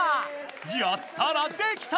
やったらできた！